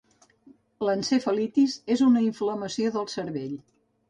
L'encefalitis és una inflamació del cervell.